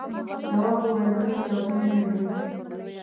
تواب وويل: دلته چاودنې نه وینې.